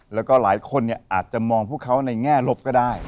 แล้วก็หลายคนอาจจะมองพวกเขาในแง่ลบก็ได้